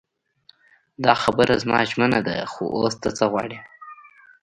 دا خبره زما ژمنه ده خو اوس ته څه غواړې.